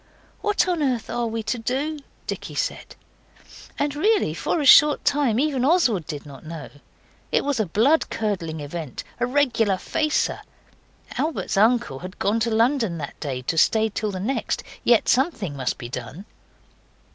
'What on earth are we to do?' Dicky said. And really for a short time even Oswald did not know. It was a blood curdling event, a regular facer. Albert's uncle had gone to London that day to stay till the next. Yet something must be done.